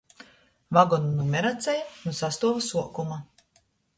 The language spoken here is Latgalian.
Vagonu numeraceja — nu sastuova suokuma.